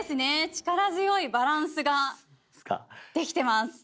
力強いバランスができてます。